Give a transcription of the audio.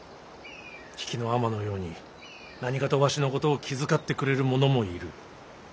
比企尼のように何かとわしのことを気遣ってくれる者もいる。